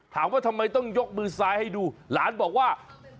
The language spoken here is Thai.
ถามว่าทำไมต้องยกมือซ้ายให้ดูหลานบอกว่า